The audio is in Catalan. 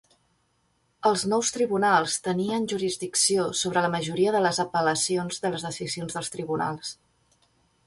Els nous tribunals tenien jurisdicció sobre la majoria de les apel·lacions de les decisions dels tribunals.